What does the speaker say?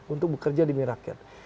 untuk bekerja demi rakyat